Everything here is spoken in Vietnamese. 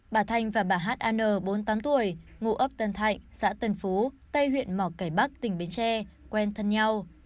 bà thanh và bà h a n bốn mươi tám tuổi ngụ ấp tân thạnh xã tân phú tây huyện mỏ cải bắc tỉnh bến tre quen thân nhau